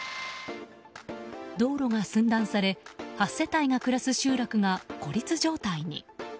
道路が寸断され８世帯が暮らす集落が孤立状態に。